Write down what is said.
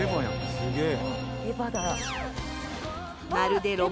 「すげえ。